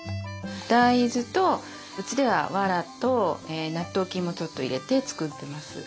大豆とうちではわらと納豆菌もちょっと入れて作ってます。